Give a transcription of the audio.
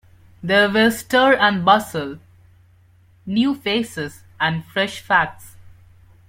There were stir and bustle, new faces, and fresh facts.